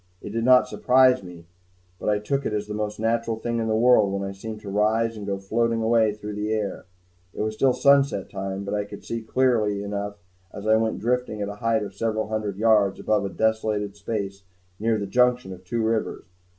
It did not surprise me, but I took it as the most natural thing in the world when I seemed to rise and go floating away through the air. It was still sunset time, but I could see clearly enough as I went drifting at a height of several hundred yards above a vast desolated space near the junction of two rivers.